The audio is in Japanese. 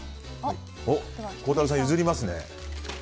孝太郎さん、譲りますね。